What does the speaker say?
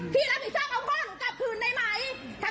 พี่รับผิดชอบเอาก้อนหนูกลับคืนได้ไหม